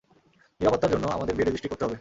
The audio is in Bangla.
নিরাপত্তার জন্য, আমাদের বিয়ে রেজিস্ট্রি করতে হবে।